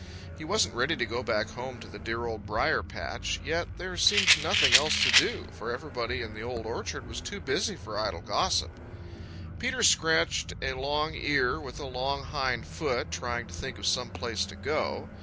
He wasn't ready to go back home to the dear Old Briar patch, yet there seemed nothing else to do, for everybody in the Old Orchard was too busy for idle gossip. Peter scratched a long ear with a long hind foot, trying to think of some place to go.